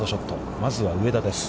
まずは、上田です。